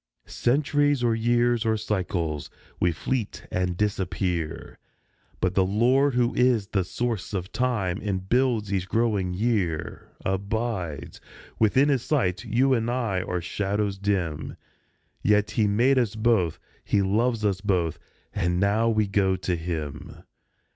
" Centuries or years or cycles, we fleet and disappear ; But the Lord who is the source of time, and builds each growing year, THE YEAR AND THE CENTURY 103 Abides. Within His sight you and I are shadows dim ; Yet He made us both, He loves us both, and now we go to Him."